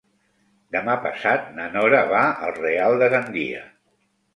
Demà passat na Nora va al Real de Gandia.